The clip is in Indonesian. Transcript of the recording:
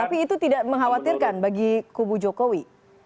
tapi itu tidak mengkhawatirkan bagi kubu jokowi